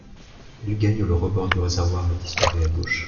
Il gagne le rebord du réservoir et disparaît à gauche.